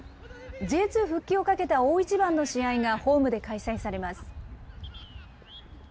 Ｊ２復帰をかけた大一番の試合がホームで開催されます。